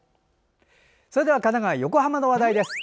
それでは神奈川・横浜からの話題です。